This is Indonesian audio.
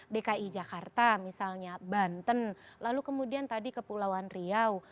dki jakarta misalnya banten lalu kemudian tadi kepulauan riau